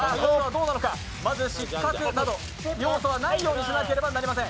まず失格など、要素はないようにしなければなりません。